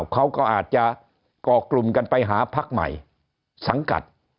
ก็อาจจะกรุมกันไปหาพักใหม่สังกัด